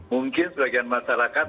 mungkin sebagian masyarakat